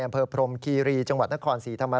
อำเภอพรมคีรีจังหวัดนครศรีธรรมราช